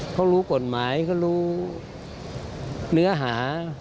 เขารู้กฎหมายเขารู้เนื้อหา